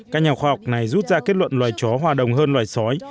các nhà khoa học này rút ra kết luận loài chó hòa đồng hơn loài sói